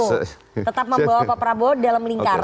tetap membawa pak prabowo dalam lingkaran